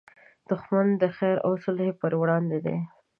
دښمن د خیر او صلحې پر وړاندې دی